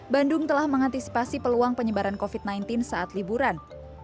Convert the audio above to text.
bandung telah mengantisipasi peluang penyebaran covid sembilan belas saat liburan